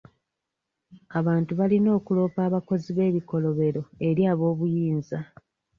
Abantu balina okulopa abakozi b'ebikolobero eri ab'obuyinza.